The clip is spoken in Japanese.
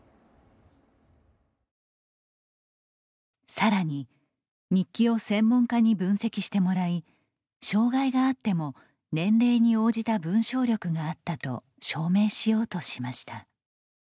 さらに、日記を専門家に分析してもらい、障害があっても年齢に応じた文章力があったと証明しようとしました。